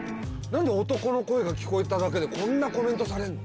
何で男の声が聞こえただけでこんなコメントされんの？